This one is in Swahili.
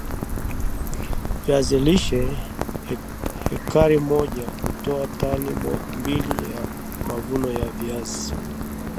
viazi lishe hekari moja hutoa tani mojambili ya mavuno ya viazi